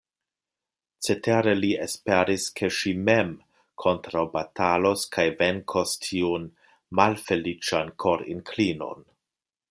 Cetere li esperis, ke ŝi mem kontraŭbatalos kaj venkos tiun malfeliĉan korinklinon.